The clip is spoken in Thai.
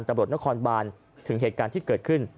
ตำรวจนครบานถึงเหตุการณ์ที่เกิดขึ้น